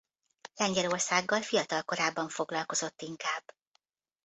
Lengyelországgal fiatal korában foglalkozott inkább.